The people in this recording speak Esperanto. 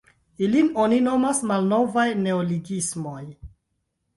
Ilin oni nomas "malnovaj neologismoj".